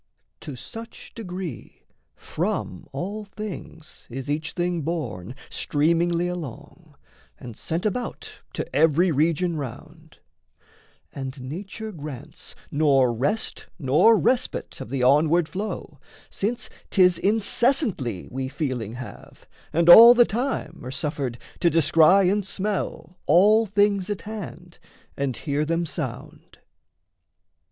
To such degree from all things is each thing Borne streamingly along, and sent about To every region round; and nature grants Nor rest nor respite of the onward flow, Since 'tis incessantly we feeling have, And all the time are suffered to descry And smell all things at hand, and hear them sound.